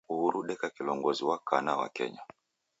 Uhuru odeka kilongozi wa kana wa kenya.